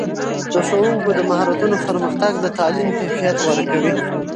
د ښوونکو د مهارتونو پرمختګ د تعلیم کیفیت غوره کوي.